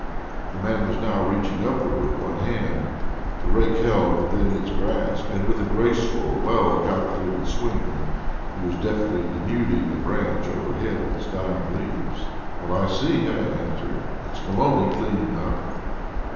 The man was now reaching upward with one hand, the rake held within its grasp, and with a graceful, well calculated swing he was deftly denuding a branch overhead of its dying leaves. "Well, I see," I answered; "it's Maloney cleaning up."